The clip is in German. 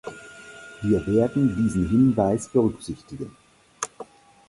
Wir werden diesen Hinweis berücksichtigen.